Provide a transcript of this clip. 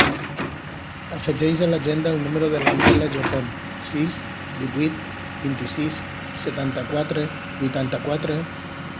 Afegeix a l'agenda el número de la Nayla Japon: sis, divuit, vint-i-sis, setanta-quatre, vuitanta-quatre.